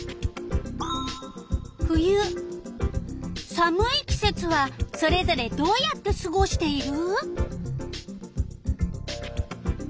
寒い季節はそれぞれどうやってすごしている？